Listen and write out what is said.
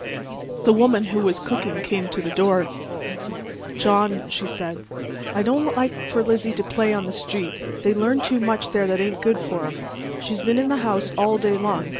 The woman who was cooking came to the door. "John," she said, "I don't like for Lizzie to play in the street. They learn too much there that ain't good for 'em. She's been in the house all day long.